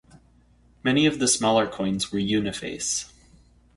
Many of the smaller coins were uniface.